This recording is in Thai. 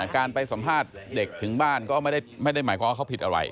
การไปสัมภาษณ์เด็กถึงบ้านก็ไม่ได้หมายความว่าเขาผิดอะไร